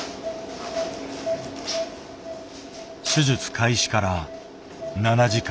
手術開始から７時間。